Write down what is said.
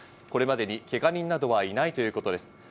これまでにけが人はいないということです。